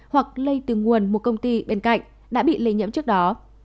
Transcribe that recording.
hoặc lây từ nguồn một công ty bên cạnh đã bị lây nhiễm trước đó